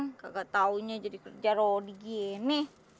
nggak tahunya jadi kerja rodi gini